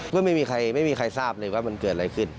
ก็ไม่มีใครทราบเลยว่ามันเกิดอะไรขึ้น